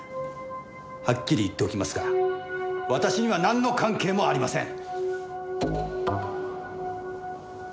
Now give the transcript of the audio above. はっきり言っておきますが私にはなんの関係もありません！